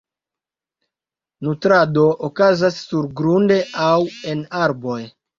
Nutrado okazas surgrunde aŭ en arboj.